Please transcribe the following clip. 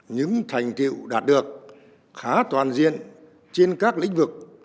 những thành tiệu đạt được khá toàn diện trên các lĩnh vực